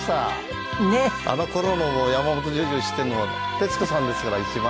あの頃の山本譲二を知ってるのは徹子さんですから一番。